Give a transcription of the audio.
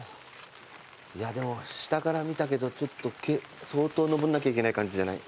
いやでも下から見たけどちょっと相当上んなきゃいけない感じじゃない？